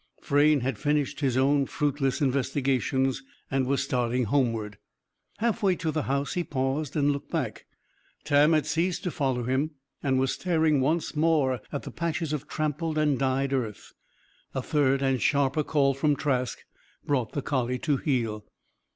Frayne had finished his own fruitless investigations and was starting homeward. Half way to the house he paused and looked back. Tam had ceased to follow him and was staring once more at the patches of trampled and dyed earth. A third and sharper call from Trask brought the collie to heel.